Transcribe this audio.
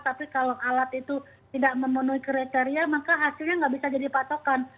tapi kalau alat itu tidak memenuhi kriteria maka hasilnya nggak bisa jadi patokan